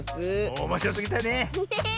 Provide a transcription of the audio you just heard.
おもしろすぎたね！ね！